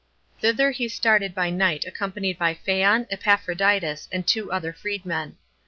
Thither he started by night accompanied by Phaon, Epaphroditus, and two other freedmen.